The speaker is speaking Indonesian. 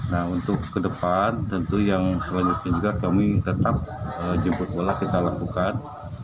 nah untuk ke depan tentu yang selanjutnya juga kami tetap jemput bola kita lakukan